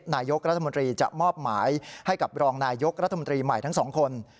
นายกรัฐมนตรีจะมอบหมายให้กับรองนายยกรัฐมนตรีใหม่ทั้งสองคน